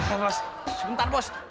eh bos sebentar bos